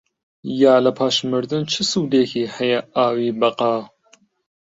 یا لە پاش مردن چ سوودێکی هەیە ئاوی بەقا؟